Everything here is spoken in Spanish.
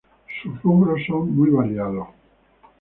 Sus rubros son muy variados.